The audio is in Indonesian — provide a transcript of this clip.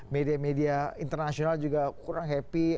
media media internasional juga kurang happy